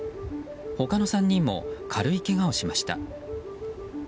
他の３人も軽いけがをしました。